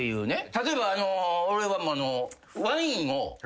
例えばあの俺は。